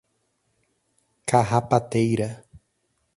Carrapateira